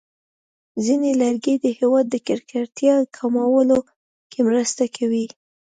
ځینې لرګي د هوا د ککړتیا کمولو کې مرسته کوي.